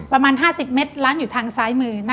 ประมาณ๕๐เมตรร้านอยู่ทางซ้ายมือ